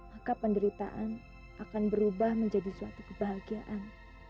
maka penderitaan akan berubah menjadi suatu kebahagiaan